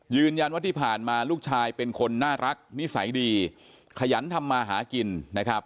ยืนยันว่าที่ผ่านมาลูกชายเป็นคนน่ารักนิสัยดีขยันทำมาหากินนะครับ